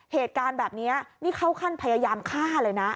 เหตุการณ์แบบนี้นี่เข้าขั้นพยายามฆ่าเลยนะ